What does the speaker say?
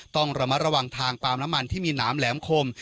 ต้องระมัดระวังทางปาล์มน้ำมันที่มีหนามแหลมคม